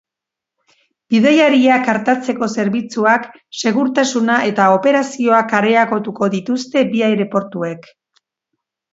Bidaiariak artatzeko zerbitzuak, segurtasuna eta operazioak areagotuko dituzte bi aireportuek.